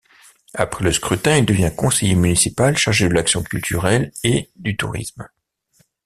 Après le scrutin, il devient conseiller municipal chargé de l’action culturelle et du tourisme.